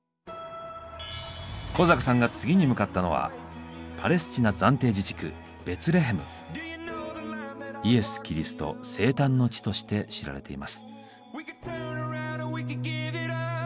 小坂さんが次に向かったのはイエス・キリスト生誕の地として知られています。